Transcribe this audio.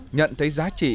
nhận thấy giá trị